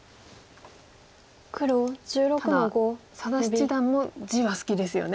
ただ佐田七段も地は好きですよね。